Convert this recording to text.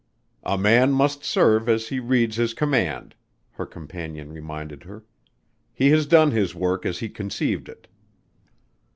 "A man must serve as he reads his command," her companion reminded her. "He has done his work as he conceived it."